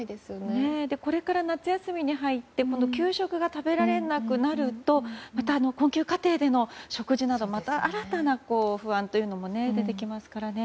これから、夏休みに入って給食が食べられなくなるとまた家庭での食事などまた新たな不安というのも出てきますからね。